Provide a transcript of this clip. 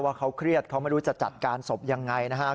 เขาเครียดเขาไม่รู้จะจัดการศพยังไงนะครับ